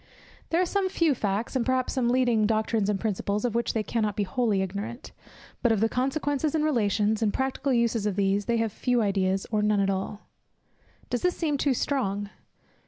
There are some few facts, and perhaps some leading doctrines and principles, of which they cannot be wholly ignorant; but of the consequences, and relations, and practical uses of these, they have few ideas, or none at all. Does this seem too strong?